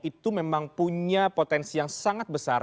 itu memang punya potensi yang sangat besar